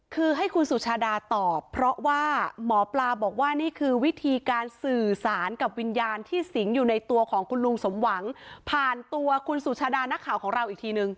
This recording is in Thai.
คือให้คุณสุชาดาตอบเพราะว่าหมอปลาบอกว่านี่คือวิธีการสื่อสารกับวิญญาณที่สิงอยู่ในตัวของคุณลุงสมหวังผ่านตัวคุณสุชาดานักข่าวของเราอีกทีนึง